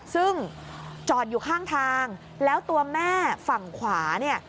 ซึ่งจอดอยู่ข้างทางแล้วตัวแม่ฝั่งขวาเนี่ย